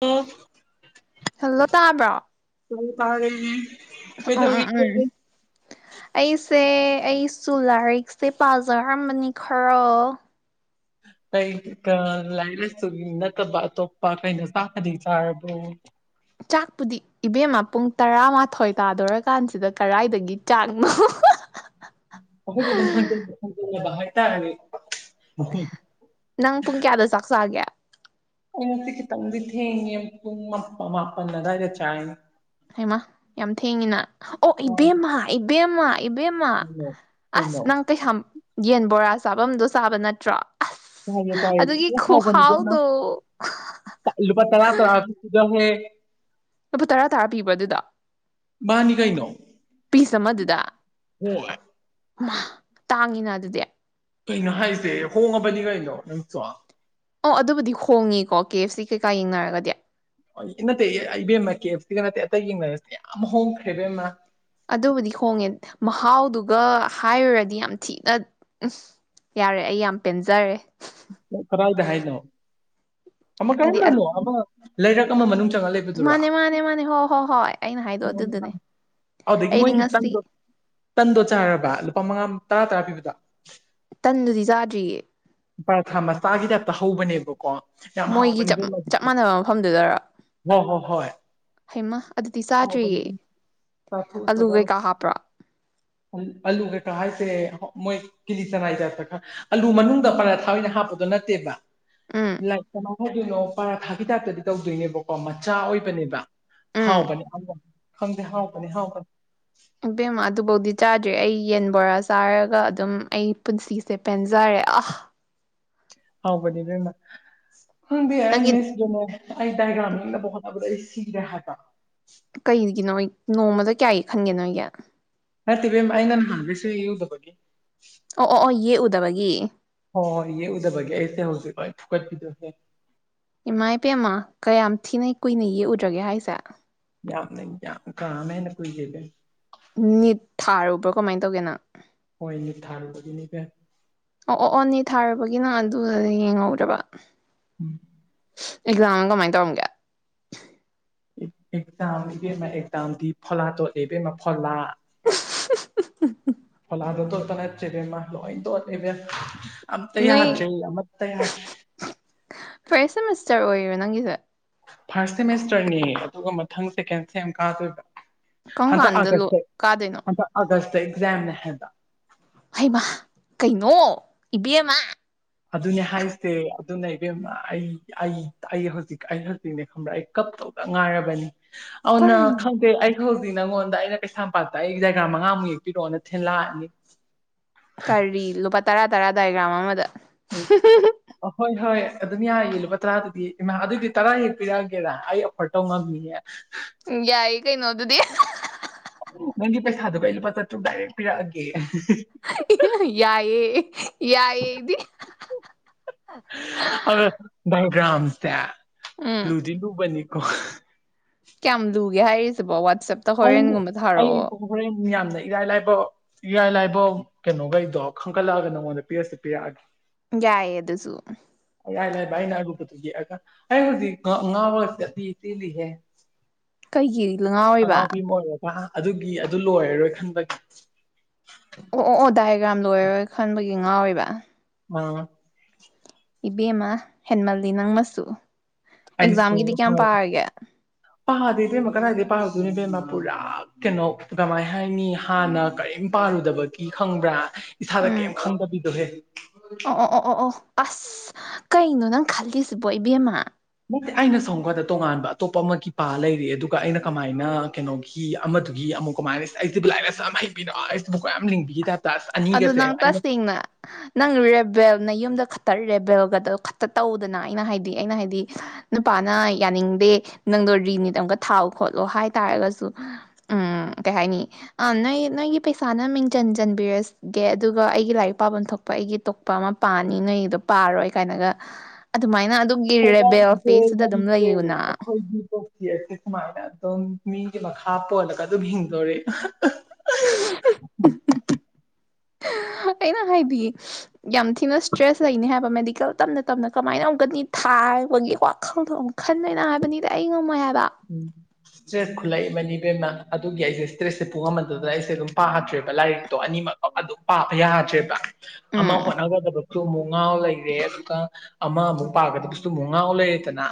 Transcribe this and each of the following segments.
ꯑꯦ hello ꯇꯥꯕ꯭ꯔꯣ ꯎꯝ ꯎꯝ ꯎꯝ [unintelligible] ꯑꯩꯁꯦ ꯑꯩꯁꯨ ꯂꯥꯏꯔꯤꯛꯁꯦ ꯄꯥꯖꯔꯝꯕꯅꯤ ꯈꯔ [unintelligible] ꯀꯩ ꯂꯥꯏꯔꯤꯛ ꯂꯥꯏꯁꯨ ꯅꯠꯇꯕ ꯑꯇꯣꯞꯄ ꯀꯩꯅꯣ ꯆꯥꯛꯀꯗꯤ ꯆꯥꯔꯕꯣ ꯆꯥꯛꯄꯨꯗꯤ ꯏꯕꯦꯝꯃ ꯄꯨꯡ ꯇꯔꯥꯃꯥꯊꯣꯏ ꯇꯥꯗꯣꯔꯀꯥꯟꯁꯤꯗ ꯀꯔꯥꯏꯗꯒꯤ ꯆꯥꯛꯅꯣ [unintelligible] ꯍꯥꯏꯇꯥꯔꯦ ꯅꯪ ꯄꯨꯡ ꯀꯌꯥꯗ ꯆꯥꯛ ꯆꯥꯒꯦ ꯑꯩ ꯉꯁꯤ ꯈꯤꯇꯪꯗꯤ ꯊꯦꯡꯉꯦ ꯄꯨꯡ ꯃꯥꯄ ꯃꯥꯄꯟ ꯑꯗꯥꯏꯗ ꯆꯥꯏ ꯍꯩꯏꯃꯥ ꯌꯥꯝ ꯊꯦꯡꯉꯤꯅ ꯑꯣ ꯑꯥ ꯏꯕꯦꯝꯃ ꯏꯕꯦꯝꯃ ꯏꯕꯦꯝꯃ ꯀꯩꯅꯣ ꯑꯁ ꯀꯩꯅꯣ ꯅꯪ ꯀꯩꯁꯥꯝ ꯌꯦꯟ ꯕꯣꯔꯥ ꯆꯥꯕꯝꯗꯣ ꯆꯥꯕ ꯅꯠꯇ꯭ꯔꯣ ꯑꯁ ꯆꯥꯏꯌꯦ ꯆꯥꯏꯌꯦ ꯑꯗꯨꯒꯤ ꯊꯤꯅ ꯍꯥꯎꯕꯅꯤ ꯏꯕꯦꯝꯃ ꯈꯨꯍꯥꯎꯗꯣ ꯂꯨꯄꯥ ꯇꯔꯥ ꯇꯔꯥ ꯄꯤꯕꯗꯣ ꯍꯦ ꯂꯨꯄꯥ ꯇꯔꯥ ꯇꯔꯥ ꯄꯤꯕ꯭ꯔꯣ ꯑꯗꯨꯗꯣ ꯃꯥꯅꯤ ꯀꯩꯅꯣ ꯄꯤꯁ ꯑꯃꯗꯨꯗ ꯍꯣꯏ ꯃꯥ ꯇꯥꯡꯉꯤꯅ ꯑꯗꯨꯗꯤ ꯀꯩꯅꯣ ꯍꯥꯏꯁꯦ ꯍꯣꯡꯉꯕꯅꯤ ꯀꯩꯅꯣ ꯅꯪꯁꯨ ꯑꯣ ꯑꯗꯨꯕꯨꯗꯤ ꯍꯣꯡꯉꯤꯀꯣ ꯀꯦ ꯑꯦꯐ ꯁꯤ ꯀꯩꯀꯥ ꯌꯦꯡꯅꯔꯒꯗꯤ ꯅꯠꯇꯦ ꯑꯩ ꯏꯕꯦꯝꯃ ꯀꯦ ꯑꯦꯐ ꯁꯤ ꯅꯠꯇꯦ ꯑꯇꯩ ꯌꯦꯡꯅꯔꯁꯨ ꯌꯥꯝ ꯍꯣꯡꯒ꯭ꯔꯦ ꯏꯕꯦꯝꯃ ꯑꯗꯨꯕꯨꯗꯤ ꯍꯣꯡꯉꯦ ꯃꯍꯥꯎꯗꯨꯒ ꯍꯥꯏꯔꯨꯔꯗꯤ ꯌꯥꯝ ꯊꯤꯅ [unintelligible] ꯌꯥꯔꯦ ꯑꯩ ꯌꯥꯝ ꯄꯦꯟꯖꯔꯦ ꯀꯔꯥꯏꯗ ꯍꯥꯏꯅꯣ ꯑꯃ ꯍꯥꯏꯗꯤ ꯀꯔꯝꯕꯅꯣ ꯑꯃ ꯂꯩꯔꯛ ꯑꯃ ꯃꯅꯨꯡ ꯆꯪꯉ ꯂꯩꯕꯗꯨꯔꯣ ꯃꯥꯅꯦ ꯃꯥꯅꯦ ꯃꯥꯅꯦ ꯍꯣ ꯍꯣ ꯍꯣꯏ ꯑꯩ [unintelligible] ꯑꯗꯨꯗꯒꯤ ꯃꯣꯏꯗꯤ ꯉꯁꯤ ꯇꯟꯗꯣ ꯇꯟꯗꯣ ꯆꯥꯔꯕ ꯂꯨꯄꯥ ꯃꯉꯥ ꯇꯔꯥ ꯇꯔꯥ ꯄꯤꯕꯗꯣ ꯇꯟꯗꯨꯗꯤ ꯆꯥꯗ꯭ꯔꯤꯌꯦ ꯄꯥꯔꯊꯥ ꯃꯆꯥꯒꯤ ꯇꯥꯏꯞꯇ ꯍꯧꯕꯅꯦꯕꯀꯣ ꯌꯥꯝ ꯃꯣꯏꯒꯤ ꯍꯥꯎꯕꯅꯤ ꯆꯞ ꯏꯕꯦꯝꯃ ꯆꯞ ꯑꯗꯨꯁꯨ ꯃꯥꯟꯅꯕ ꯃꯐꯝꯗꯨꯗꯔꯣ ꯍꯣꯏ ꯍꯣꯏ ꯍꯣꯏ ꯍꯩꯃꯥ ꯑꯗꯨꯗꯤ ꯍꯥꯎꯕꯅꯤ ꯆꯥꯗ꯭ꯔꯤꯌꯦ ꯏꯕꯦꯝꯃ ꯑꯂꯨ ꯀꯩꯀꯥ ꯍꯥꯞꯄ꯭ꯔꯣ ꯑꯜ ꯑꯜꯂꯨ ꯀꯩꯀꯥ ꯍꯥꯏꯁꯦ ꯃꯣꯏ ꯀꯤꯂꯤ ꯆꯥꯅꯥꯏ ꯇꯥꯏꯞꯇ ꯈ ꯑꯜꯂꯨ ꯃꯅꯨꯡ ꯄꯔꯥꯊꯥ ꯑꯣꯏꯅ ꯍꯥꯞꯄꯗꯣ ꯅꯠꯇꯦꯕ ꯎꯝ ꯂꯥꯏ ꯀꯃꯥꯏꯅ ꯍꯥꯏꯗꯣꯏꯅꯣ ꯄꯔꯥ ꯊꯥꯒꯤ ꯇꯥꯏꯞꯇꯗꯤ ꯇꯧꯗꯣꯏꯅꯦꯕꯀꯣ ꯃꯆꯥ ꯑꯣꯏꯕꯅꯦꯕ ꯎꯝ ꯍꯥꯎꯕꯅꯦ [unintelligible] ꯈꯪꯗꯦ ꯍꯥꯎꯕꯅꯦ ꯍꯥꯎꯕꯅꯦ ꯏꯕꯦꯝꯃ ꯑꯗꯨꯕꯧꯗꯤ ꯆꯥꯗ꯭ꯔꯤ ꯑꯩ ꯌꯦꯟ ꯕꯣꯔꯥ ꯆꯥꯔꯒ ꯑꯗꯨꯝ ꯑꯩ ꯄꯨꯟꯁꯤꯁꯦ ꯄꯦꯟꯖꯔꯦ ꯑꯥ ꯍꯥꯎꯕꯅꯦ ꯏꯕꯦꯝꯃ ꯈꯪꯗꯦ ꯑꯩ ꯅꯪꯒꯤ ꯉꯁꯤꯗꯤ [unintelligible] ꯑꯩ ꯗꯥꯏꯒ꯭ꯔꯥꯝ ꯌꯦꯛꯅꯕ ꯍꯣꯠꯅꯕꯗ ꯑꯩ ꯁꯤꯔꯦ ꯍꯥꯏꯕ ꯀꯩꯒꯤꯅꯣꯏ ꯅꯣꯡꯃꯗ ꯀꯌꯥ ꯌꯦꯛꯍꯟꯒꯦ ꯅꯣꯏꯒꯤ ꯅꯠꯇꯦ ꯏꯕꯦꯝꯃ ꯑꯩꯅ ꯅꯍꯥꯟꯒꯩ ꯁꯨꯡꯌꯦꯛ ꯌꯦꯛꯎꯗꯕꯒꯤ ꯗꯕꯒꯤ ꯍꯣꯏ ꯌꯦꯛꯎꯗꯕꯒꯤ ꯑꯩꯁꯦ ꯍꯧꯖꯤꯛ ꯂꯣꯏ ꯐꯨꯒꯠꯈꯤꯗꯣꯏꯅꯦ ꯏꯃꯥꯏꯄꯦꯝꯃ ꯀꯌꯥꯝ ꯊꯤꯅ ꯀꯨꯏꯅ ꯌꯦꯛꯎꯗ꯭ꯔꯒꯦ ꯍꯥꯏꯁꯦ ꯌꯥꯝꯅ ꯌꯥꯝ ꯀꯥ ꯑꯃꯍꯦꯟꯅ ꯀꯨꯏꯒꯤꯒꯦ ꯅꯤꯠ ꯊꯥꯔꯨꯕ꯭ꯔꯣ ꯀꯃꯥꯏ ꯇꯧꯒꯦꯅꯪ ꯍꯣꯏ ꯅꯤꯠ ꯊꯥꯔꯨꯕꯒꯤꯅꯤ ꯏꯕꯦꯝ [unintelligible] ꯑꯗꯨꯒ ꯌꯦꯡꯍꯧꯗ꯭ꯔꯥꯕ ꯎꯝ ꯑꯦꯛꯖꯥꯝ ꯀꯃꯥꯏꯅ ꯇꯧꯔꯝꯒꯦ ꯑꯦꯛꯖꯥꯝ ꯏꯕꯦꯝꯃ ꯑꯦꯛꯖꯥꯝꯗꯤ ꯐꯣꯂꯥ ꯇꯣꯠꯂꯦ ꯏꯕꯦꯝꯃ ꯐꯣꯂꯥ [unintelligible] ꯐꯣꯂꯥꯗ ꯇꯣꯠꯄ ꯅꯠꯇ꯭ꯔꯦ ꯏꯕꯦꯝꯃ ꯂꯣꯢ ꯇꯣꯠꯂꯦ ꯏꯕꯦꯝ ꯅꯣꯏ [unintelligible] ꯐꯥꯔꯁ ꯁꯦꯃꯤꯁꯇꯔ ꯑꯣꯏꯔꯣ ꯅꯪꯒꯤꯁꯦ ꯐꯥꯔꯁ ꯁꯦꯃꯦꯁꯇꯔꯅꯦ ꯑꯗꯨꯒ ꯃꯊꯪ ꯁꯦꯀꯦꯟ ꯁꯦꯝ ꯀꯥꯗꯣꯏꯕ ꯀꯔꯝ ꯍꯟꯗꯛ ꯀꯥꯟꯗ ꯑꯒꯁ ꯂꯣ ꯁꯦ ꯀꯥꯗꯣꯏꯅꯣ ꯍꯟꯗꯛ ꯑꯒꯁ ꯇ ꯑꯦꯛꯖꯥꯝꯅꯦ ꯍꯥꯏꯕ ꯍꯩꯃ ꯀꯩꯅꯣ ꯏꯕꯦꯝꯃ ꯑꯗꯨꯅꯦ ꯍꯥꯏꯁꯦ ꯑꯗꯨꯅ ꯏꯕꯦꯝꯃ ꯑꯩ ꯑꯩ ꯑꯩ ꯍꯧꯖꯤꯛ ꯑꯩ ꯍꯧꯖꯤꯛꯅꯦ ꯈꯪꯕ꯭ꯔꯥ ꯑꯩ ꯀꯞ ꯏꯇꯣꯝꯇ ꯉꯥꯏꯔꯕꯅꯤ ꯑꯥꯎꯅ ꯀꯔꯤꯅꯣ ꯈꯪꯗꯦ ꯑꯩ ꯈꯧ ꯅꯪꯉꯣꯟꯗ ꯑꯩꯅ ꯀꯩꯁꯥꯝꯄꯥꯠꯇ ꯑꯩꯒꯤ ꯗꯥꯢꯒ꯭ꯔꯥꯝ ꯃꯉꯥꯃꯨꯛ ꯌꯦꯛꯄꯤꯔꯛꯑꯣꯅ ꯊꯤꯟ ꯂꯥꯛꯑꯅꯤ ꯀꯔꯤ ꯂꯨꯄꯥ ꯇꯔꯥ ꯇꯔꯥ ꯗꯥꯏꯒ꯭ꯔꯥꯝ ꯑꯃꯗ ꯎꯝ ꯑꯍꯣꯏ ꯍꯣꯏ ꯑꯗꯨꯝ ꯌꯥꯢꯌꯦ ꯂꯨꯄꯥ ꯇꯔꯥꯗꯨꯗꯤ ꯏꯃꯥ ꯑꯗꯨꯏꯗꯤ ꯇꯔꯥ ꯌꯦꯛꯄꯤꯔꯛꯑꯒꯦꯔ ꯑꯩ ꯑꯣꯐꯔ ꯇꯧ ꯉꯝꯅꯤꯑꯦ ꯌꯥꯏ ꯀꯩꯅꯣꯗꯨꯗꯤ ꯍꯥ ꯍꯥ ꯍꯥ ꯅꯪꯒꯤ ꯄꯩꯁꯥꯗꯨꯒ ꯑꯩ ꯂꯨꯄꯥ ꯆꯥꯇ꯭ꯔꯨꯛ ꯗꯥꯏꯔꯦꯛ ꯄꯤꯔꯛꯑꯒꯦ ꯌꯥꯢꯑꯦ ꯌꯥꯢꯑꯦ ꯑꯧꯗꯤ ꯍꯥ ꯍꯥ ꯒ꯭ꯔꯥꯝꯁꯦ ꯎꯝ ꯂꯨꯗꯤ ꯂꯨꯕꯅꯤꯀꯣ ꯀꯌꯥꯝ ꯂꯨꯒꯦ ꯍꯥꯏꯔꯤꯁꯤꯕꯣ ꯋꯥꯠ ꯑꯩ ꯑꯩ ꯍꯣꯔꯦꯟ ꯌꯥꯝ ꯂꯩ ꯏꯔꯥꯏ ꯂꯥꯏꯕ ꯏꯔꯥꯏ ꯂꯥꯏꯕ ꯀꯩꯅꯣꯈꯩꯗꯣ ꯈꯟꯒꯠꯂꯛꯑꯒ ꯅꯪꯉꯣꯟꯗ ꯄꯤꯔꯛꯑꯁꯨ ꯄꯤꯔꯛꯑꯒꯦ ꯌꯥꯏꯌꯦ ꯑꯗꯨꯁꯨꯨ ꯏꯔꯥꯏ ꯂꯥꯏꯕ ꯑꯩꯅ ꯑꯔꯨꯕꯗꯨ ꯌꯦꯛꯑꯒ ꯑꯩ ꯍꯧꯖꯤꯛ ꯉꯥꯎꯔꯒ ꯆꯠꯂꯤ ꯆꯦꯜꯂꯤꯍꯦ ꯀꯩꯒꯤ ꯉꯥꯎꯔꯤꯕ ꯑꯉꯥꯎꯕꯤ ꯑꯃ ꯑꯣꯏꯔꯒ ꯑꯗꯨꯒꯤ ꯑꯗꯨ ꯂꯣꯏꯔꯔꯣꯏ ꯈꯟꯕꯒꯤ ꯑꯣ ꯑꯣ ꯑꯣ ꯗꯥꯏꯒ꯭ꯔꯥꯝ ꯂꯣꯏꯔꯔꯣꯏ ꯈꯟꯕꯒꯤ ꯉꯥꯎꯔꯤꯕ ꯃꯥ ꯏꯕꯦꯝꯃ ꯍꯦꯟꯃꯜꯂꯤ ꯅꯪꯃꯁꯨ ꯑꯩꯁꯨ ꯑꯦꯛꯖꯥꯝꯒꯤꯗꯤ ꯀꯌꯥꯝ ꯍꯣꯏ ꯄꯥꯔꯒꯦ ꯄꯥꯗꯦ ꯏꯕꯦꯝꯃ ꯀꯗꯥꯢꯗꯩ ꯄꯥꯔꯨꯗꯣꯢꯅꯣ ꯏꯕꯦꯝꯃ ꯄꯨꯔꯥ ꯀꯩꯅꯣ ꯀꯃꯥꯏ ꯍꯥꯏꯅꯤ ꯍꯥꯟꯅ ꯀꯔꯤꯝ ꯄꯥꯔꯨꯗꯕꯒꯤ ꯈꯪꯕ꯭ꯔꯥ ꯏꯁꯥꯗ ꯀꯩꯝ ꯎꯝ ꯈꯪꯗꯕꯤꯗꯣꯍꯦ ꯑꯣ ꯑꯣ ꯑꯣ ꯑꯣ ꯑꯣ ꯑꯁ ꯀꯩꯅꯣ ꯅꯪ ꯈꯜꯂꯤꯁꯤꯕꯣ ꯏꯕꯦꯝꯃ ꯑꯩꯅ ꯁꯣꯝꯀꯥꯟꯗ ꯇꯣꯉꯥꯟꯕ ꯑꯇꯣꯞꯄ ꯑꯃꯒꯤ ꯄꯥ ꯂꯩꯔꯦ ꯑꯗꯨꯒ ꯑꯩꯅ ꯀꯃꯥꯏꯅ ꯀꯩꯅꯣꯒꯤ ꯑꯃ ꯑꯗꯨꯒꯤ ꯑꯃꯨꯛ ꯀꯃꯥꯏꯅ ꯑꯩꯁꯤꯕꯨ ꯂꯥꯏꯔꯤꯛ ꯂꯥꯢꯁꯨ ꯌꯥꯝ ꯍꯕꯤꯔꯣ ꯑꯩꯁꯤꯕꯨ ꯀꯣꯛ ꯌꯥꯝ ꯂꯤꯡꯕꯤꯒꯤ ꯇꯥꯢꯞ ꯑꯗꯣ ꯅꯪ ꯇꯁꯦꯡꯅ ꯅꯪ ꯔꯦꯕꯦꯜꯅ ꯌꯨꯝꯗ ꯈꯛꯇ ꯔꯦꯕꯦꯜ ꯈꯛꯇ ꯇꯧꯗꯅ ꯑꯩꯅ ꯍꯥꯏꯗꯤ ꯑꯩꯅ ꯍꯥꯏꯗꯤ ꯅꯨꯄꯥꯅ ꯌꯥꯅꯤꯡꯗꯦ ꯅꯪꯗꯣ ꯔꯤꯅꯤꯠ ꯑꯃꯨꯛꯀ ꯊꯥꯎ ꯈꯣꯠꯂꯣ ꯍꯥꯏꯇꯥꯥꯔꯒꯁꯨ ꯎꯝ ꯀꯩ ꯍꯥꯏꯅꯤ ꯑꯥ ꯅꯣꯏ ꯅꯣꯏ ꯒꯤ ꯄꯩꯁꯥꯅ ꯃꯤꯡ ꯆꯟ ꯆꯟꯕꯤꯔꯁꯤ ꯒꯦ ꯑꯗꯨꯒ ꯑꯩꯒꯤ ꯂꯥꯏꯔꯤꯛ ꯄꯥꯐꯝ ꯊꯣꯛꯄ ꯑꯩꯒꯤ ꯕꯣꯛꯄ ꯑꯃ ꯄꯥꯅꯤ ꯅꯣꯏꯒꯤꯗꯣ ꯄꯥꯔꯣꯏ ꯀꯥꯏꯅꯒ ꯑꯗꯨꯃꯥꯏꯅ ꯑꯗꯨꯒꯤ ꯔꯦꯕꯦꯜ [unintelligible] ꯐꯦꯁꯇꯨꯗ ꯑꯗꯨꯝ ꯂꯩꯌꯨꯅ ꯁꯨꯃꯥꯢꯅ ꯑꯗꯨꯝ ꯃꯤꯒꯤ ꯃꯈꯥ ꯄꯣꯜꯂꯒ ꯑꯗꯨꯝ ꯍꯤꯡꯗꯣꯔꯦ ꯍꯨ ꯍꯨ ꯍꯨ ꯑꯩꯅ ꯍꯥꯏꯗꯤ ꯌꯥꯝ ꯊꯤꯅ ꯁ꯭ꯇ꯭ꯔꯦꯁ ꯂꯩꯅꯤ ꯍꯥꯏꯕ ꯃꯦꯗꯤꯀꯦꯜ ꯇꯞꯅ ꯇꯞꯅ ꯀꯃꯥꯏꯅ ꯑꯃꯨꯛꯀ ꯅꯤꯠ ꯊꯥꯕꯒꯤ ꯋꯥꯈꯜꯗꯣ ꯑꯃꯨꯛ ꯈꯟꯗꯣꯢꯅꯣ ꯍꯥꯏꯕꯅꯤꯗ ꯑꯩ ꯉꯝꯃꯣꯢ ꯍꯥꯏ ꯎꯝ ꯁ꯭ꯇ꯭ꯔꯦꯁ ꯈꯨꯂꯩ ꯑꯃꯅꯤ ꯕꯦꯝꯃ ꯑꯗꯨꯒꯤ ꯑꯩꯁꯦ ꯏꯁꯇ꯭ꯔꯦꯁꯁꯦ ꯄꯨꯉꯝꯃꯟꯗꯗꯅ ꯑꯩꯁꯦ ꯑꯗꯨꯝ ꯄꯥꯗ꯭ꯔꯦꯕ ꯂꯥꯏꯔꯤꯛꯇꯣ ꯑꯅꯤꯃꯛ ꯑꯗꯨꯝ ꯄꯥꯕ ꯌꯥ ꯗ꯭ꯔꯦꯕ ꯑꯃ ꯎꯝ ꯍꯣꯠꯅꯒꯗꯕ ꯁꯨꯃꯨꯛ ꯉꯥꯎ ꯂꯩꯔꯦ ꯑꯗꯨꯒ ꯑꯃ ꯑꯃꯨꯛ ꯄꯥꯒꯗꯕꯁꯨ ꯑꯃꯨꯛ ꯉꯥꯎ ꯂꯩꯔꯦꯗꯅ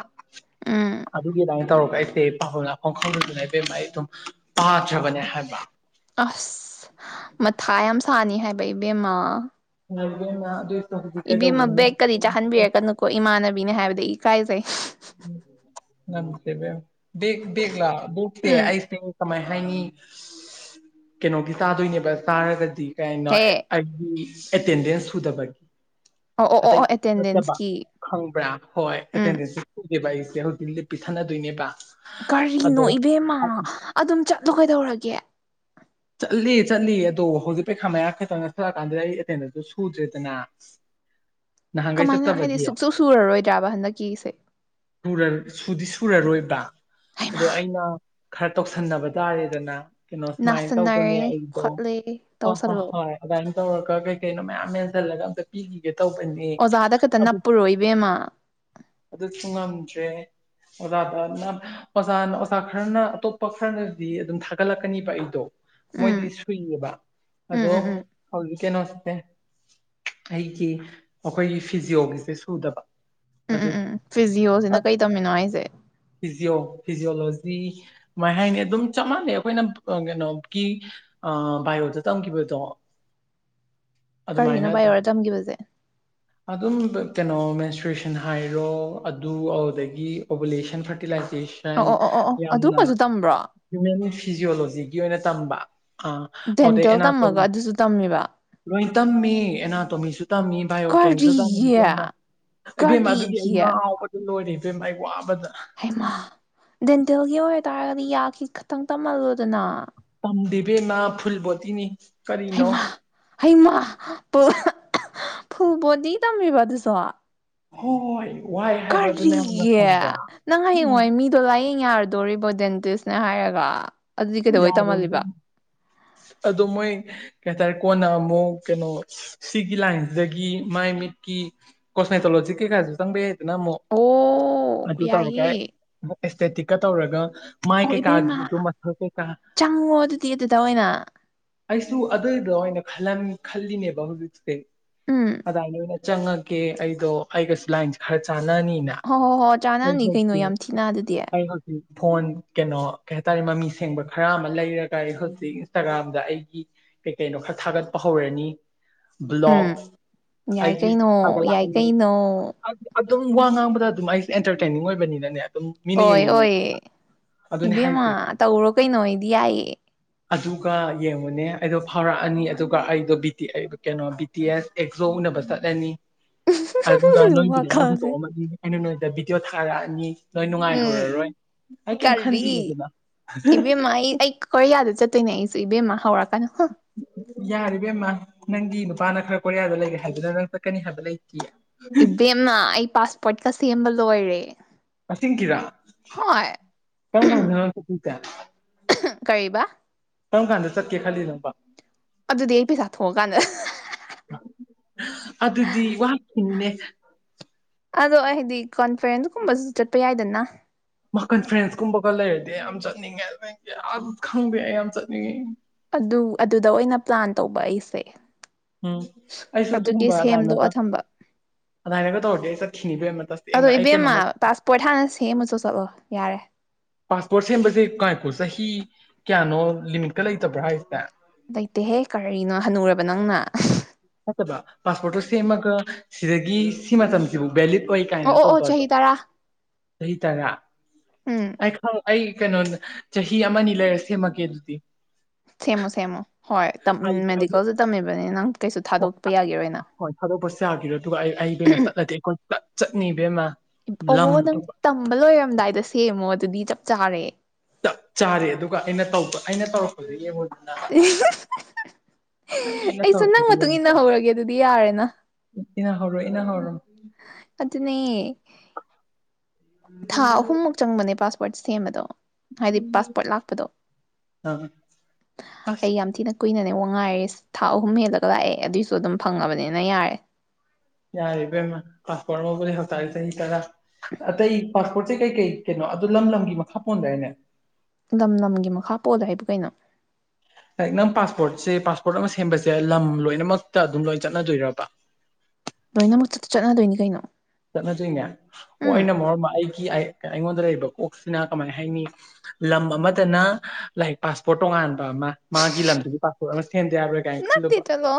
ꯎꯝ ꯑꯗꯨꯒꯤ ꯑꯗꯥꯢꯅ ꯇꯧꯔꯒ ꯑꯩ ꯗꯦ ꯄꯥꯕꯝ ꯂꯥꯛꯐꯝ ꯈꯪꯗꯗꯅ ꯏꯕꯦꯝꯃ ꯑꯩꯗꯣ ꯄꯥꯗ꯭ꯔꯕꯅꯦ ꯍꯥꯏꯕ ꯑꯁ ꯃꯊꯥ ꯌꯥꯝ ꯁꯥꯅꯤ ꯍꯥꯏꯕ ꯏꯕꯦꯝꯃ ꯍꯥ ꯏꯕꯦꯝꯃ ꯑꯗꯨꯏ ꯏꯕꯦꯝꯃ ꯕꯦꯛꯀꯗꯤ ꯆꯥꯍꯟꯕꯤꯔꯛꯀꯅꯨꯀꯣ ꯏꯃꯥꯟꯅꯕꯤꯅꯦ ꯍꯥꯏꯕꯗꯤ ꯏꯀꯥꯏꯖꯩ ꯅꯝꯁꯦ ꯏꯕꯦꯝꯃ ꯕꯦꯛ ꯕꯦꯛꯂꯣ ꯕꯦꯛꯇꯦ ꯎꯝ ꯑꯩꯁꯦ ꯀꯃꯥꯏ ꯍꯥꯏꯅꯤ ꯀꯩꯅꯣꯒꯤ ꯆꯥꯗꯣꯏꯅꯦꯕ ꯆꯥꯔꯒꯗꯤ ꯀꯩꯅꯣ ꯍꯦ ꯑꯩꯒꯤ ꯑꯦꯇꯦꯟꯗꯦꯟꯁ ꯁꯨꯗꯕꯒꯤ ꯑꯣ ꯑꯣ ꯑꯣ ꯑꯇꯩ ꯑꯣ ꯅꯠꯇꯕ ꯑꯦꯇꯦꯟꯗꯦꯟꯁꯀꯤ ꯈꯪꯕ꯭ꯔꯥ ꯍꯣꯏ ꯎꯝ ꯑꯦꯇꯦꯟꯗꯦꯟꯁ ꯁꯨ ꯁꯨꯗꯦꯕ ꯑꯩꯁꯦ ꯍꯧꯖꯤꯛ ꯂꯤꯞ ꯄꯤꯁꯟꯅꯗꯣꯏꯅꯦꯕ ꯀꯔꯤꯅꯣ ꯑꯗꯣ ꯏꯕꯦꯝꯃ ꯑꯗꯨꯝ ꯆꯠꯂꯣ ꯀꯩꯗꯧꯔꯒꯦ ꯆꯠꯂꯤ ꯆꯠꯂꯤ ꯑꯗꯣ ꯍꯧꯖꯤꯛ ꯄꯩꯈꯥ ꯃꯌꯥ ꯈꯛꯇꯪ ꯅꯛꯁꯜꯂ ꯀꯥꯟꯗ ꯑꯩ ꯑꯦꯇꯦꯟꯗꯦꯟꯁꯇꯨ ꯁꯨꯗ꯭ꯔꯦꯗꯅ [inaudible] ꯅꯍꯥꯟꯒꯩ ꯀꯃꯥꯏꯅ ꯍꯥꯏꯗꯤ ꯆꯠꯇꯕꯒꯤ ꯁꯨꯛꯁꯨ ꯁꯨꯔꯔꯣꯏꯗ꯭ꯔꯕ ꯍꯟꯗꯛꯀꯤꯁꯦ ꯁꯨꯔ ꯁꯨꯗꯤ ꯁꯨ ꯄꯨꯔꯔꯣꯏꯕ ꯑꯗꯣ ꯍꯩꯃꯥ ꯑꯩꯅ ꯈꯔ ꯇꯧꯁꯟꯅꯕ ꯇꯥꯔꯦꯗꯅ ꯀꯩꯅꯣ ꯁꯨꯃꯥꯏ ꯇꯧꯕꯅꯦ ꯅꯥꯁꯟꯅꯔꯦ ꯑꯩꯗꯣ ꯈꯣꯠꯂꯦ ꯍꯣꯏ ꯍꯣꯏ ꯇꯧꯁꯜꯂꯣ ꯍꯣꯏ ꯑꯗꯨꯃꯥꯏꯅ ꯇꯧꯔꯒ ꯀꯩ ꯀꯩꯅꯣ ꯃꯌꯥꯝ ꯌꯥꯟ ꯖꯜꯂꯒ ꯑꯝꯇ ꯄꯤꯒꯤꯒꯦ ꯇꯧꯕꯅꯦ ꯑꯣꯖꯥꯗ ꯈꯛꯇ ꯑꯗꯨ ꯅꯞꯄꯨꯔꯣ ꯏꯕꯦꯝꯃ ꯑꯗꯨꯁꯨ ꯉꯝꯗ꯭ꯔꯦ ꯑꯣꯖꯥꯗꯅ ꯑꯣꯖꯥꯅ ꯑꯣꯖꯥ ꯈꯔꯅ ꯑꯇꯣꯞꯄ ꯈꯔꯅꯗꯤ ꯑꯗꯨꯝ ꯊꯥꯒꯠꯂꯛꯀꯅꯤꯕ ꯑꯩꯗꯣ ꯃꯣꯏꯗꯤ ꯎꯝ ꯁꯨꯏꯌꯦꯕ ꯎꯝ ꯑꯗꯣ ꯎꯝ ꯎꯝ ꯍꯧꯖꯤꯛ ꯀꯩꯅꯣꯁꯦ ꯑꯩꯒꯤ ꯃꯈꯣꯏꯒꯤ ꯐꯤꯖꯤꯌꯣꯒꯤꯁꯦ ꯁꯨꯗꯕ ꯎꯝ ꯎꯝ ꯑꯗꯨꯒꯤ ꯎꯝ ꯑ ꯐꯤꯖꯤꯌꯣꯁꯤꯅ ꯀꯩ ꯇꯝꯃꯤꯅꯣ ꯍꯥꯏꯁꯦ ꯐꯤꯖꯤꯌꯣ ꯐꯤꯖꯤꯌꯣꯂꯣꯖꯤ ꯗꯤ ꯀꯃꯥꯏ ꯍꯥꯏꯅꯤ ꯑꯗꯨꯝ ꯆꯞ ꯃꯥꯟꯅꯩ ꯑꯩꯈꯣꯏꯅ ꯑꯥ ꯀꯩꯅꯣ ꯀꯤ ꯑꯥ ꯚꯥꯏꯌꯣꯗ ꯇꯝꯈꯤꯕꯗꯣ ꯀꯔꯤꯅꯣ ꯑꯗꯨꯃꯥꯏꯅ ꯗꯨꯝ ꯕꯥꯏꯑꯣꯗ ꯇꯝꯈꯤꯕꯁꯦ ꯑꯗꯨꯝꯕ ꯀꯩꯅꯣ ꯃꯦꯟꯁꯆꯨꯔꯦꯁꯟ ꯍꯥꯏꯔꯣ ꯑꯗꯨ ꯑꯗꯨꯗꯒꯤ ꯑꯣꯕꯨꯂꯦꯁꯟ ꯐ꯭ꯔꯇꯤꯂꯥꯏꯖ ꯑꯣ ꯖꯦꯁꯟ ꯑꯣ ꯑꯣ ꯑꯣ ꯑꯣ ꯌꯥꯝꯅ ꯑꯗꯨꯒꯁꯨ ꯇꯝꯕ꯭ꯔꯣ ꯍꯤꯌꯨꯃꯦꯟꯅꯤꯁ ꯐꯤꯖꯤꯌꯣꯂꯣꯖꯤꯒꯤ ꯑꯣꯏꯅ ꯇꯝꯕ ꯑꯥ ꯑꯣꯗꯩ ꯗꯦꯟꯇꯦꯜ ꯇꯝꯃꯒ ꯑꯦꯅꯥꯇꯣꯃꯤ ꯑꯗꯨꯁꯨ ꯇꯝꯃꯤꯕ ꯂꯣꯏ ꯇꯝꯃꯤ ꯑꯦꯅꯥꯇꯣꯃꯤꯁꯨ ꯇꯝꯃꯤ ꯕꯥꯏꯑꯣ ꯀꯦꯝꯁꯨ ꯇꯝꯃꯤ ꯀꯔꯤꯒꯤ ꯏꯕꯦꯝꯃ ꯏꯕꯦꯝ ꯑꯗꯨꯒꯤ ꯑꯩ ꯀꯔꯤꯒꯤ ꯉꯥꯎꯕꯗ ꯂꯣꯏꯔꯦ ꯏꯕꯦꯝ ꯑꯩ ꯋꯥꯕꯗ ꯍꯩꯃꯥ ꯗꯦꯟꯇꯦꯜꯒꯤ ꯑꯣꯏꯇꯥꯔꯒꯗꯤ ꯌꯥꯒꯤ ꯈꯇꯪ ꯇꯝꯍꯜꯂꯣꯗꯅ ꯏꯕꯦꯝꯃ ꯐꯨꯜ ꯕꯣꯗꯤꯅꯤ ꯀꯔꯤꯅꯣ ꯍꯩꯃꯥ ꯍꯩꯃꯥ ꯄꯨꯜ ꯑꯍ ꯑꯍ ꯐꯨꯜꯕꯣꯗꯤ ꯇꯝꯃꯤꯕ ꯑꯗꯨꯁꯨ ꯍꯣꯏ ꯋꯥꯏ ꯍꯥꯏꯕꯗꯨꯅ ꯌꯥꯝꯅ ꯀꯔꯤꯒꯤ ꯈꯪꯕ꯭ꯔꯥ ꯅꯪ ꯎꯝ ꯍꯌꯦꯡꯋꯥꯏ ꯃꯤꯗꯣ ꯂꯥꯏꯌꯦꯡ ꯌꯥꯔ ꯗꯣꯔꯤꯕꯣ ꯗꯦꯟꯇꯤꯁꯅꯦ ꯍꯥꯏꯔꯒ ꯑꯗꯨꯗꯤ ꯀꯩꯗꯧꯕꯩ ꯌꯥꯔꯣꯏ ꯇꯝꯍꯜꯂꯤꯕ ꯏꯕꯦꯝꯃ ꯑꯗꯣ ꯃꯣꯏ ꯀꯩꯍꯥꯏꯇꯥꯔꯦ ꯀꯣꯟꯅ ꯑꯃꯨꯛ ꯀꯩꯅꯣ ꯁꯤꯒꯤ ꯂꯥꯏꯟꯖꯤꯗꯒꯤ ꯃꯥꯏ ꯃꯤꯠꯀꯤ ꯀꯣꯁꯃꯦꯇꯣꯂꯣꯖꯤ ꯀꯩꯀꯥ ꯆꯪꯕ ꯌꯥꯏꯗꯅ ꯑꯃꯨꯛ ꯑꯣ ꯑꯗꯨ ꯇꯧꯔꯒ ꯌꯥꯏꯌꯦ ꯑꯃꯨꯛ ꯑꯦꯁꯊꯦꯇꯤꯛꯀ ꯇꯧꯔꯒ ꯃꯥꯏ ꯑꯣ ꯀꯩꯀꯥꯒꯤ ꯏꯕꯦꯝꯃ ꯑꯗꯨꯃ ꯆꯪꯉꯣ ꯑꯗꯨꯗꯤ ꯑꯗꯨꯗ ꯑꯣꯏꯅ ꯑꯩꯁꯨ ꯑꯗꯨꯏꯗꯣ ꯑꯣꯏꯅ ꯈꯜꯂꯝ ꯈꯜꯂꯤꯅꯦꯕ ꯍꯧꯖꯤꯛꯁꯦ ꯎꯝ ꯑꯗꯥꯏꯅ ꯆꯪꯉꯒꯦ ꯑꯩꯗꯣ ꯑꯩꯒꯁꯨ ꯂꯥꯏꯟꯁꯦ ꯈꯔ ꯆꯥ ꯅꯅꯤꯅ ꯍꯣ ꯍꯣ ꯍꯣ ꯑꯩ ꯆꯥꯟꯅꯅꯤ ꯀꯩꯅꯣ ꯍꯧꯖꯤꯛ ꯌꯥꯝ ꯊꯤꯅ ꯑꯗꯨꯗꯤ ꯑꯩ ꯍꯧꯖꯤꯛ ꯐꯣꯟ ꯀꯩꯅꯣ ꯀꯩ ꯍꯥꯏꯇꯥꯔꯦ ꯃꯃꯤ ꯁꯦꯡꯕ ꯈꯔ ꯑꯃ ꯂꯩꯔꯒ ꯑꯩ ꯍꯧꯖꯤꯛ ꯏꯟꯁꯇꯥꯒ꯭ꯔꯥꯝ ꯗꯥ ꯑꯩꯒꯤ ꯀꯩ ꯀꯩꯅꯣ ꯈꯔ ꯊꯥꯒꯠꯄ ꯍꯧꯔꯅꯤ ꯎꯝ ꯕ꯭ꯂꯣꯛ ꯌꯥꯏ ꯑꯩꯒꯤ ꯀꯩꯅꯣ ꯌꯥꯏ ꯊꯥꯒꯠꯂꯛꯑꯅꯤ ꯀꯩꯅꯣ ꯑꯗꯨꯝ ꯋꯥ ꯉꯥꯡꯕꯗ ꯑꯗꯨꯃꯥꯏ ꯑꯦꯟꯇꯔꯇꯦꯟꯅꯤꯡ ꯑꯣꯏꯕꯅꯤꯅꯅꯦ ꯑꯗꯨꯝ ꯃꯤꯅ ꯑꯣꯏꯌꯦ ꯌꯦꯡꯅꯤꯡꯅꯦ ꯑꯣꯏꯌꯦ ꯍꯥꯏꯕ ꯑꯗꯨꯅꯦ ꯏꯕꯦꯝꯃ ꯍꯥꯏꯁꯦ ꯇꯧꯔꯣ ꯀꯩꯅꯣ ꯑꯩꯗꯤ ꯌꯥꯏꯌꯦ ꯑꯗꯨꯒ ꯌꯦꯡꯉꯨꯅꯦ ꯑꯩꯗꯣ ꯐꯥꯎꯔꯛꯑꯅꯤ ꯑꯗꯨꯒ ꯑꯩꯗꯣ ꯕꯤ ꯇꯤ ꯑꯩ ꯀꯩꯅꯣ ꯕꯤ ꯇꯤ ꯑꯦꯁ ꯑꯦꯛꯖꯣ ꯎꯅꯕ ꯆꯠꯂꯅꯤ ꯑꯗꯨꯒ ꯅꯣꯏꯕꯨꯗꯤ ꯑꯩꯅ ꯋꯥꯈꯜꯁꯦ ꯍꯨꯟꯇꯣꯛꯑꯝꯃꯅꯤ ꯑꯩꯅ ꯅꯣꯏꯗ ꯚꯗꯤꯑꯣ ꯊꯥꯔꯛꯑꯅꯤ ꯅꯣꯏ ꯎꯝ ꯅꯨꯡꯉꯥꯏꯍꯧꯔꯔꯣꯏ ꯑꯩ ꯀꯦꯝ ꯈꯟꯗꯦ ꯀꯔꯤ ꯑꯗꯨꯅ ꯏꯕꯦꯝꯃ ꯑꯩ ꯑꯩ ꯀꯣꯔꯤꯌꯥꯗ ꯆꯠꯇꯣꯏꯅꯦ ꯑꯩꯁꯦ ꯏꯕꯦꯝꯃ ꯍꯧꯔꯛꯀꯅꯨ ꯍꯨ ꯌꯥꯔꯦ ꯏꯕꯦꯝꯃ ꯅꯪꯒꯤ ꯅꯨꯄꯥꯅ ꯈꯔ ꯀꯣꯔꯤꯌꯥꯗ ꯂꯩꯔꯦ ꯍꯥꯏꯗꯨꯅ ꯅꯪ ꯆꯠꯀꯅꯤ ꯍꯥꯏꯕ ꯂꯩ ꯏꯕꯦꯝꯅ ꯑꯩ ꯄꯥꯁꯄꯣꯔꯠꯀ ꯁꯦꯝꯕ ꯂꯣꯏꯔꯦ ꯑꯁꯦꯡꯀꯤꯔꯥ ꯀꯔꯝ ꯍꯣꯏ ꯀꯥꯟꯗꯅꯣ ꯅꯪ ꯆꯠꯇꯧꯁꯦ ꯍ ꯀꯔꯤꯕ ꯀꯔꯝ ꯀꯥꯟꯗ ꯆꯠꯀꯦ ꯈꯜꯂꯤꯅꯣꯕ ꯑꯗꯨꯗꯤ ꯑꯩ ꯄꯩꯁꯥ ꯊꯣꯛꯑꯀꯥꯟꯗ ꯑꯗꯨꯗꯤ ꯋꯥ [unintelligible] ꯑꯗꯣ ꯑꯩ ꯍꯥꯢꯗꯤ ꯀꯣꯟꯐꯔꯦꯟꯗꯀꯨꯝꯕꯁꯨ ꯆꯠꯄ ꯌꯥꯏꯗꯅ ꯃꯥ ꯀꯟꯐ꯭ꯔꯦꯟꯁ ꯀꯨꯝꯕꯒ ꯂꯩꯔꯗꯤ ꯌꯥꯝ ꯆꯠꯅꯤꯡꯉꯦ ꯅꯪꯖꯦ ꯌꯥꯝ ꯈꯪꯗꯧ ꯑꯩ ꯌꯥꯝ ꯆꯠꯅꯤꯡꯉꯦ ꯑꯗꯨ ꯑꯗꯨꯗ ꯑꯣꯏꯅ ꯄ꯭ꯂꯥꯟ ꯇꯧꯕ ꯑꯩꯁꯦ ꯎꯝ ꯑꯩꯁꯨ ꯑꯗꯨꯒꯤ ꯑꯗꯨꯒꯨꯝꯕ ꯁꯦꯝꯗꯣꯛꯑ ꯑꯗꯥꯏꯅꯒ ꯊꯝꯕ ꯑꯗꯥꯏꯅꯒ ꯇꯧꯔꯗꯤ ꯆꯠꯈꯤꯅꯤꯕꯦꯝꯃ ꯑꯗꯣ ꯇꯁꯦꯡꯅ ꯑꯩ ꯏꯕꯦꯝꯃ ꯀꯩꯅꯣꯃ ꯄꯥꯁꯄꯣꯔꯠ ꯍꯥꯟꯅ ꯁꯦꯝꯃꯨꯆꯣ ꯆꯠꯂꯣ ꯌꯥꯔꯦ ꯄꯥꯁꯄꯣꯔꯠ ꯁꯦꯝꯕꯁꯦ ꯀꯥꯔꯠꯇꯣ ꯆꯍꯤ ꯀ꯭ꯌꯥꯅꯣ ꯂꯤꯃꯤꯠꯀ ꯂꯩꯇꯕ꯭ꯔꯣ ꯍꯥꯏꯁꯦ ꯂꯩꯇꯦꯍꯦ ꯀꯔꯤꯅꯣ ꯍꯅꯨꯔꯕ ꯅꯪꯅ ꯅꯠꯇꯕ ꯄꯥꯁꯄꯣꯔꯠꯇꯣ ꯁꯦꯝꯃꯒ ꯁꯤꯗꯒꯤ ꯁꯤ ꯃꯇꯝꯁꯤꯕꯨꯛ ꯚꯦꯂꯤꯠ ꯑꯣꯏ ꯀꯥꯏꯅ ꯑꯣ ꯑꯣ ꯑꯣ ꯇꯧꯕꯗꯣ ꯆꯍꯤ ꯇꯔꯥ ꯆꯍꯤ ꯇꯔꯥ ꯎꯝ ꯑꯩ ꯈꯪ ꯑꯩ ꯀꯩꯅꯣ ꯆꯍꯤ ꯑꯃꯅꯤ ꯂꯩꯔ ꯁꯦꯝꯃꯛꯀꯦ ꯑꯗꯨꯗꯤ ꯁꯦꯝꯃꯣ ꯁꯦꯝꯃꯣ ꯍꯣꯏ ꯇꯝ ꯃꯦꯗꯤꯀꯦꯜꯁꯨ ꯇꯝꯃꯤꯕꯅꯤ ꯅꯪ ꯀꯩꯁꯨ ꯍꯣ ꯊꯥꯗꯣꯛꯄ ꯌꯥꯒꯤꯔꯣꯏꯅ ꯑ ꯍꯣꯏ ꯊꯥꯗꯣꯛꯄꯁꯨ ꯌꯥꯈꯤꯔꯣꯏ ꯑꯗꯨꯒ ꯑꯩ ꯑꯩ ꯅꯠꯇꯦ ꯑꯩ ꯀꯣꯢꯄꯨꯂꯞ ꯆꯠꯅꯤ ꯏꯕꯦꯝꯃ ꯂꯝ [unintelligible] ꯅꯪ ꯇꯝꯕ ꯂꯣꯏꯔꯝꯗꯥꯏꯗ ꯁꯦꯝꯃꯣ ꯑꯗꯨꯗꯤ ꯆꯞ ꯆꯥꯔꯦ ꯆꯞ ꯆꯥꯔꯦ ꯑꯗꯨꯒ ꯑꯩꯅ ꯇꯩꯕ ꯑꯩꯅ ꯇꯧꯔꯛꯄꯗꯤ ꯌꯦꯡꯉꯨ [unintelligible] [unintelligible] ꯑꯩꯅ ꯑꯩꯁꯨ ꯅꯪ ꯇꯧꯔꯛꯄꯗꯨ ꯃꯇꯨꯡ ꯏꯟꯅꯍꯧꯔꯒꯦ ꯑꯗꯨꯗꯤ ꯌꯥꯔꯦꯅ ꯏꯅꯍꯧꯔꯣ ꯏꯅꯍꯧꯔꯣ ꯑꯗꯨꯅꯦ ꯊꯥ ꯑꯍꯨꯝꯃꯨꯛ ꯆꯪꯕꯅꯦ ꯄꯥꯁꯄꯣꯔꯠ ꯁꯦꯝꯕꯗꯣ ꯍꯥꯏꯗꯤ ꯄꯥꯁꯄꯣꯔꯠ ꯂꯥꯛꯄꯗꯣ ꯑꯥ ꯑꯁ ꯑꯩ ꯌꯥꯝ ꯊꯤꯅ ꯀꯨꯏꯅꯅꯦ ꯋꯥ ꯉꯥꯏꯔꯤꯁꯦ ꯊꯥ ꯑꯍꯨꯝ ꯍꯦꯜꯂꯒ ꯂꯥꯛꯑꯦ ꯑꯗꯨꯏꯁꯨ ꯑꯗꯨꯝ ꯐꯪꯉꯕꯅꯤꯅ ꯌꯥꯔꯦ ꯌꯥꯔꯦ ꯏꯕꯦꯝꯃ ꯄꯥꯁꯄꯣꯔꯠ ꯂꯧꯕꯁꯦ ꯉꯁꯥꯏ ꯆꯍꯤ ꯇꯔꯥ ꯑꯇꯩ ꯄꯥꯁꯄꯣꯔꯠꯁꯦ ꯀꯩ ꯀꯩ ꯀꯩꯅꯣ ꯑꯗꯨ ꯂꯝ ꯂꯝꯒꯤ ꯃꯈꯥ ꯄꯣꯟꯗꯥꯏꯅꯦ ꯅꯝ ꯅꯝꯒꯤ ꯃꯈꯥ ꯄꯣꯜꯂꯦ ꯍꯥꯏꯕꯨ ꯀꯩꯅꯣ ꯂꯥꯏꯛ ꯅꯪ ꯄꯥꯁꯄꯣꯔꯠꯁꯦ ꯄꯥꯁꯄꯣꯔꯠ ꯑꯃ ꯁꯦꯝꯕꯁꯦ ꯂꯝ ꯂꯣꯏꯅꯃꯛꯇ ꯑꯗꯨꯝ ꯂꯣꯏꯅ ꯆꯠꯅꯗꯣꯏꯔꯕ [inaudible] ꯂꯣꯏꯅꯃꯛ ꯆꯠ ꯆꯠꯅꯗꯣꯏꯅꯤ ꯀꯩꯅꯣ ꯆꯠꯅꯗꯣꯏꯅꯦ ꯑꯣ ꯎꯝ ꯑꯩꯅ ꯃꯔꯣꯟꯃ ꯑꯩꯒꯤ ꯑꯩꯉꯣꯟꯗ ꯂꯩꯔꯤꯕ ꯀꯣꯛꯁꯤꯅ ꯀꯃꯥꯏ ꯍꯥꯏꯅꯤ ꯂꯝ ꯑꯃꯗꯅ ꯂꯥꯏꯛ ꯄꯥꯁꯄꯣꯔꯠ ꯇꯣꯉꯥꯟꯕ ꯑꯃ ꯃꯥꯒꯤ ꯂꯝꯗꯨꯒꯤ ꯄꯥꯁꯄꯣꯔꯠ ꯑꯃ ꯁꯦꯝꯗ ꯌꯥꯔꯣꯢ ꯀꯥꯏ ꯇꯦ ꯆꯠꯂꯣ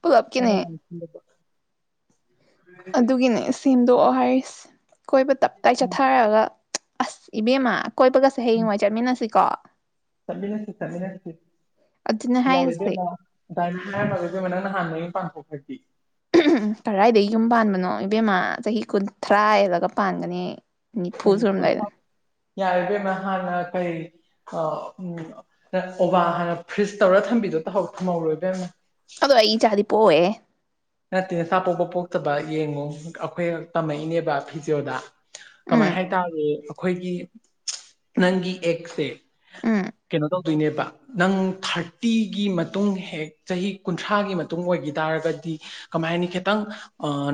ꯄꯨꯂꯞꯀꯤꯅꯦ ꯃꯇꯝ ꯁꯤꯜꯂꯕ ꯑꯗꯨꯒꯤꯅꯦ ꯁꯤꯡꯗꯣꯛꯑꯣ ꯍꯥꯏꯔꯤꯁꯦ ꯀꯣꯏꯕ ꯇꯞꯇꯥꯏ ꯆꯠꯊꯔꯒ ꯑꯁ ꯏꯕꯦꯝꯃ ꯀꯣꯏꯕꯒꯁꯦ ꯎꯝ ꯍꯌꯦꯡꯋꯥꯏ ꯆꯠꯃꯤꯟꯅꯁꯤꯀꯣ ꯆꯠꯃꯤꯟꯅꯁꯤ ꯆꯠꯃꯤꯟꯅꯁꯤ ꯑꯗꯨꯅꯦ ꯌꯥꯔꯦ ꯍꯥꯏꯔꯤꯁꯦ ꯏꯕꯦꯝꯃ ꯗꯥꯢꯔꯤ ꯂꯥꯡꯅꯨ ꯏꯕꯦꯝꯃ ꯅꯪꯅ ꯍꯥꯟꯅ ꯅꯌꯨꯝ ꯄꯥꯡꯊꯣꯛꯈ꯭ꯔꯗꯤ [unintelligible] ꯀꯔꯥꯏꯗꯒꯤ ꯌꯨꯝ ꯄꯥꯟꯕꯅꯣ ꯏꯕꯦꯝꯃ ꯆꯍꯤ ꯀꯨꯟꯊ꯭ꯔꯥ ꯍꯦꯜꯂꯒ ꯄꯥꯟꯒꯅꯤ ꯑꯩ ꯅꯤꯐꯨ ꯅꯨꯃꯤꯠ ꯁꯨꯔꯝꯗꯥꯏꯗ ꯀꯨꯟꯊ꯭ꯔꯥ ꯌꯥꯔꯦ ꯏꯕꯦꯝꯃ ꯍꯥꯟꯅ ꯀꯩ ꯑ ꯎꯝ ꯔꯁꯑꯣꯕꯥ ꯍꯥꯟꯅ ꯐ꯭ꯔꯤꯖ ꯇꯧꯔ ꯊꯝꯕꯤ ꯗꯨ ꯇꯍꯧ ꯇꯧꯍꯧꯔꯣ ꯏꯕꯦꯝꯃ ꯑꯗꯣ ꯑꯩ ꯏꯆꯥꯗꯤ ꯄꯣꯛꯑꯣꯢꯍꯦ ꯅꯠꯇꯦ ꯅꯆꯥ ꯄꯣꯛꯄ ꯄꯣꯛꯇꯕ ꯌꯦꯡꯉꯣ ꯑꯩꯈꯣꯏ ꯇꯝꯃꯛꯏꯅꯦꯕ ꯐꯤꯖꯣꯗ ꯎꯝ ꯀꯃꯥꯏ ꯍꯥꯏꯇꯥꯕꯅꯤ ꯑꯩꯈꯣꯏꯒꯤ ꯅꯪꯒꯤ ꯑꯦꯛꯁꯦ ꯎꯝ ꯀꯩꯅꯣ ꯇꯧꯗꯣꯏꯅꯦꯕ ꯅꯪ ꯊꯔꯇꯤꯒꯤ ꯃꯇꯨꯡ ꯍꯦꯛ ꯆꯍꯤ ꯀꯨꯟꯊ꯭ꯔꯥꯒꯤ ꯃꯇꯨꯡ ꯑꯣꯏꯒꯤ ꯇꯔꯒꯗꯤ ꯀꯃꯥꯏ ꯍꯥꯢꯅꯤ ꯈꯤꯇꯪ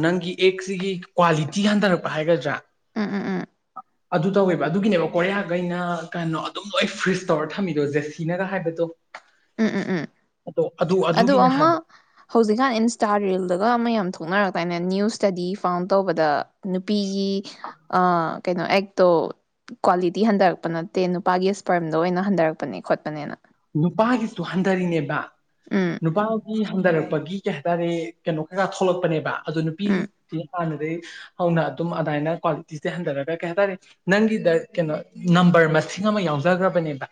ꯅꯪꯒꯤ ꯑꯦꯛꯁꯤꯒꯤ ꯀ꯭ꯋꯥꯂꯤꯇꯤ ꯍꯟꯊꯔꯛꯄ ꯍꯥꯏꯒꯗ꯭ꯔꯥ [unintelligible] ꯑꯗꯨ ꯇꯧꯋꯦꯕ ꯑꯗꯨꯒꯤꯅꯦꯕ ꯀꯣꯔꯤꯌꯥꯒꯩꯅ ꯀꯩꯅꯣ ꯑꯗꯨꯝ ꯂꯣꯏ ꯐ꯭ꯔꯤꯖ ꯇꯧꯔ ꯊꯝꯃꯤꯗꯣ ꯖꯦꯁꯤꯅꯒ ꯍꯥꯏꯕꯗꯣ ꯎꯝ ꯎꯝ ꯎꯝ ꯑꯗꯣ ꯑꯗꯨ ꯑꯗꯨꯒꯤꯅꯦ ꯑꯃ ꯍꯥꯏꯕ ꯍꯧꯖꯤꯛꯀꯥꯟ ꯏꯟꯁ ꯇꯥ ꯔꯤꯜꯗꯒ ꯑꯃ ꯌꯥꯝ ꯊꯣꯛꯅꯔꯛꯇꯥꯏꯅꯦ ꯅ꯭ꯌꯨꯁ ꯁ꯭ꯇꯗꯤ ꯐꯥꯎꯟ ꯇꯧꯕꯗ ꯅꯨꯄꯤ ꯒꯤ ꯑꯥ ꯀꯩꯅꯣ ꯑꯦꯛꯇꯣ ꯀ꯭ꯋꯥꯂꯤꯇꯤ ꯍꯟꯊꯔꯛꯄ ꯅꯠꯇꯦ ꯅꯨꯄꯥꯒꯤ ꯁ꯭ꯄꯔꯝꯗꯣ ꯑꯣꯏꯅ ꯍꯟꯊꯔꯛꯄꯅꯦ ꯈꯣꯠꯄꯅꯦꯅ ꯅꯨꯄꯥꯒꯤꯁꯨ ꯍꯟꯗꯔꯤꯅꯦꯕ ꯎꯝ ꯅꯨꯄꯥꯒꯤ ꯍꯟꯗꯔꯛ ꯄꯒꯤ ꯀꯩ ꯍꯥꯏꯇꯥꯔꯦ ꯀꯩꯅꯣ ꯈꯔ ꯊꯣꯛꯂꯛꯄꯅꯦꯕ ꯑꯗꯨ ꯎꯝ ꯅꯨꯄꯤꯒꯤꯁꯦ ꯍꯥꯟꯅ ꯍꯧꯅ ꯑꯗꯨꯝ ꯑꯗꯥꯢꯅ ꯀ꯭ꯋꯥꯂꯤꯇꯤꯁꯦ ꯍꯟꯗꯔꯒ ꯀꯩ ꯍꯥꯢꯇꯥꯔꯦ ꯅꯪꯒꯤꯗ ꯀꯩꯅꯣ ꯅꯝꯕꯔ ꯃꯁꯤꯡ ꯑꯃ ꯌꯥꯎꯖꯈ꯭ꯔꯕꯅꯦꯕ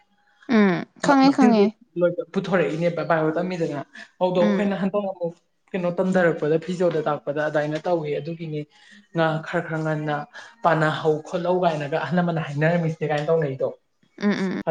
ꯎꯝ ꯈꯪꯉꯦ ꯈꯪꯉꯦ [unintelligible] ꯄꯨꯊꯣꯔꯛꯏꯅꯦꯕ ꯕꯥꯏꯔꯣꯗ ꯇꯝꯃꯤꯗꯅ ꯑꯗꯨꯗꯣ ꯎꯝ ꯑꯩꯈꯣꯏꯅ ꯍꯟꯗꯛ ꯑꯃꯨꯛ ꯀꯩꯅꯣ ꯇꯝꯊꯔꯛꯄꯗ ꯐꯤꯖꯣꯗ ꯇꯥꯛꯄꯗ ꯑꯗꯨꯥꯏꯅ ꯇꯧꯋꯦ ꯑꯗꯨꯒꯤꯅꯦ ꯉꯥ ꯈꯔ ꯈꯔ ꯉꯟꯅ ꯄꯥꯅꯍꯧ ꯈꯣꯠꯍꯧ ꯀꯥꯏꯅꯒ ꯑꯍꯜ ꯂꯃꯟ ꯍꯥꯏꯅꯔꯝꯃꯤꯁꯦ ꯀꯥꯏꯅ ꯇꯧꯅꯩꯗꯣ ꯎꯝ ꯎꯝ